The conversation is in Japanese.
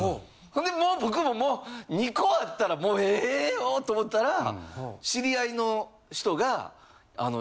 ほんでもう僕ももう２個あったらもうええよと思ったら知り合いの人が。